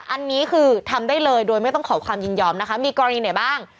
อันนี้คือทำได้เลยโดยไม่ต้องขอความยินยอมนะคะมีกรณีไหนบ้าง